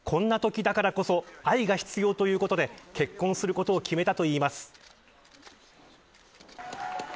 こんなときだからこそ愛が必要ということで結婚することを決めたといいます。